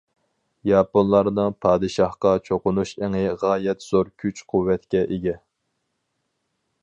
ياپونلارنىڭ پادىشاھقا چوقۇنۇش ئېڭى غايەت زور كۈچ-قۇۋۋەتكە ئىگە.